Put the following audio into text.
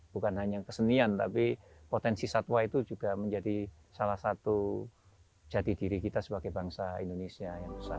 bukan hanya kesenian tapi potensi satwa itu juga menjadi salah satu jati diri kita sebagai bangsa indonesia yang besar